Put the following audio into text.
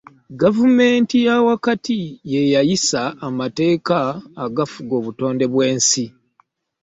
Gavumenti ya wakati y'eyisa amateeka agafuga obutonde bw'ensi.